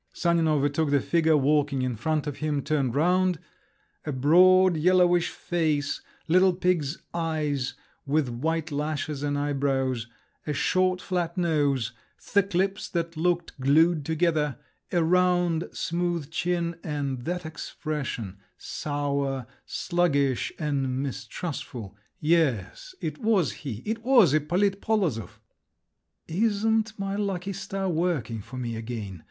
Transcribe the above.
Sanin overtook the figure walking in front of him, turned round…. A broad, yellowish face, little pig's eyes, with white lashes and eyebrows, a short flat nose, thick lips that looked glued together, a round smooth chin, and that expression, sour, sluggish, and mistrustful—yes; it was he, it was Ippolit Polozov! "Isn't my lucky star working for me again?"